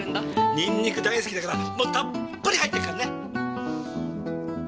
ニンニク大好きだからもうたっぷり入ってるからね。